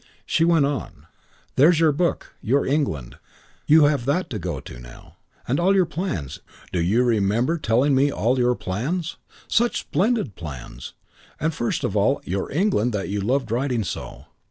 She went on. "There's your book your 'England.' You have that to go to now. And all your plans do you remember telling me all your plans? Such splendid plans. And first of all your 'England' that you loved writing so."